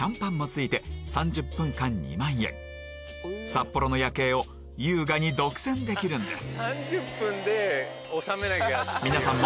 札幌の夜景を優雅に独占できるんです